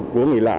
của người lạc